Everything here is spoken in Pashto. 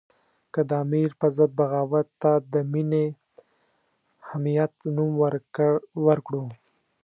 که د امیر په ضد بغاوت ته دیني حمیت نوم ورکړو.